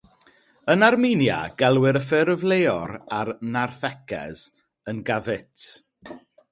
Yn Armenia gelwir y ffurf leol ar narthecs yn "gavit".